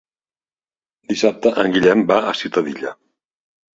Dissabte en Guillem va a Ciutadilla.